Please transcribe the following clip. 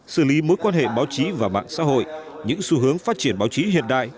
xử lý mối quan hệ báo chí và mạng xã hội những xu hướng phát triển báo chí hiện đại